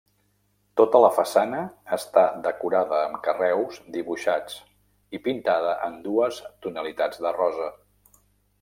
Tota la façana està decorada amb carreus dibuixats i pintada en dues tonalitats de rosa.